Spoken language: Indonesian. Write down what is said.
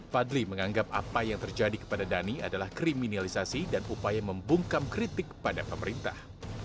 fadli menganggap apa yang terjadi kepada dhani adalah kriminalisasi dan upaya membungkam kritik pada pemerintah